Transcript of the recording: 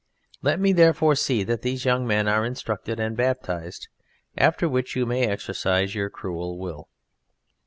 Let me therefore see that these young men are instructed and baptized, after which you may exercise your cruel will."